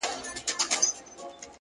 جل وهلی سوځېدلی د مودو مودو راهیسي ,